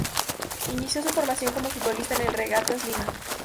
Inició su formación como futbolista en el Regatas Lima.